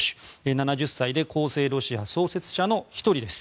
７０歳で公正ロシア創設者の１人です。